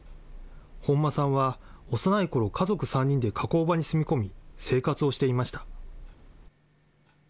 本間さんは、幼いころ、家族３人で加工場に住み込み、生活をしていました。